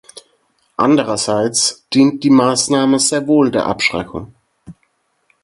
Andererseits dient die Maßnahme sehr wohl der Abschreckung.